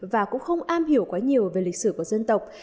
và cũng không am hiểu quá nhiều về lịch sử của dân tộc